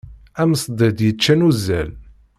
Am ṣdid yeččan uzzal.